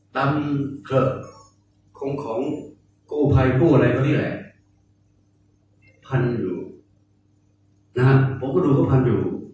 ดำเคลือของของกูภัยพูดอะไรตอนนี้แหละพันอยู่ผมก็ดูว่าพันอยู่